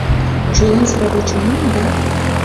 Чулан сравочым муында?